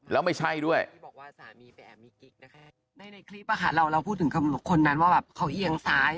แล้วไม่ใช่ด้วย